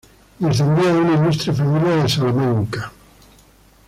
Descendía de una ilustre familia de Salamanca.